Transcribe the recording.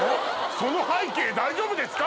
その背景大丈夫ですか？